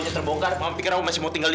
sar mama juga gak tau